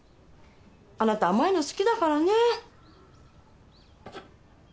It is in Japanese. あなた甘いの好きだからね。